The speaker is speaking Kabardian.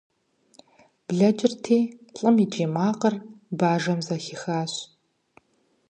Блэкӏырти, лӏым и кӏий макъыр бажэм зэхихащ.